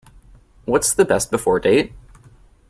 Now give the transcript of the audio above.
What’s the Best Before date?